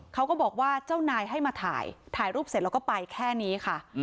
เขาก็บอกว่าเจ้านายให้มาถ่ายถ่ายรูปเสร็จแล้วก็ไปแค่นี้ค่ะ